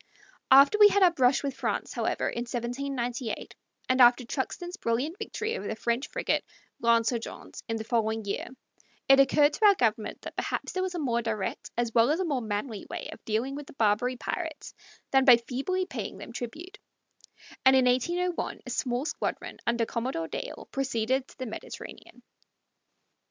After we had our brush with France, however, in 1798, and after Truxtun's brilliant victory over the French frigate L'Insurgente in the following year, it occurred to our government that perhaps there was a more direct as well as a more manly way of dealing with the Barbary pirates than by feebly paying them tribute, and in 1801 a small squadron, under Commodore Dale, proceeded to the Mediterranean.